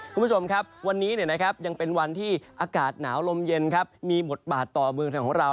คุณผู้ชมครับวันนี้ยังเป็นวันที่อากาศหนาวลมเย็นมีบทบาทต่อเมืองไทยของเรา